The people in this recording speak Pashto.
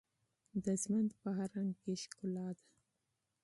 د ژوند په هر رنګ کې ښکلا ده.